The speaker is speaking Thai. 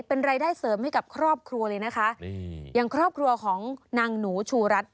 เป็นรายได้เสริมให้กับครอบครัวเลยนะคะนี่อย่างครอบครัวของนางหนูชูรัฐ